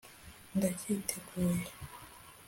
ndacyiteguye